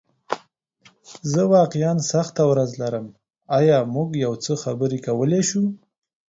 زه واقعیا سخته ورځ لرم، ایا موږ یو څه خبرې کولی شو؟